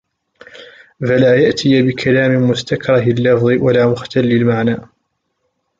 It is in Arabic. فَلَا يَأْتِيَ بِكَلَامٍ مُسْتَكْرَهِ اللَّفْظِ وَلَا مُخْتَلِّ الْمَعْنَى